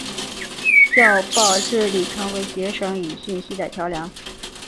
校报致力成为学生与信息的桥梁。